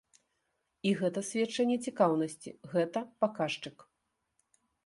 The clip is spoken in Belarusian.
І гэта сведчанне цікаўнасці, гэта паказчык.